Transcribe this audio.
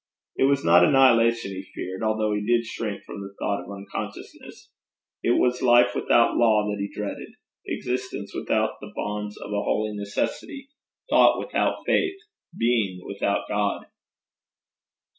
It was not annihilation he feared, although he did shrink from the thought of unconsciousness; it was life without law that he dreaded, existence without the bonds of a holy necessity, thought without faith, being without God.